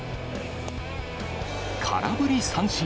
空振り三振。